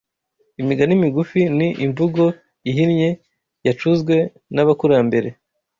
Imigani migufi ni imvugo ihinnye yacuzwe n’abakurambere